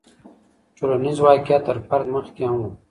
ټولنیز واقعیت تر فرد مخکې هم و.